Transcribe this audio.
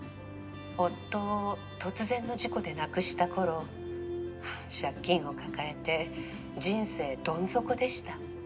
「夫を突然の事故で亡くした頃借金を抱えて人生ドン底でした」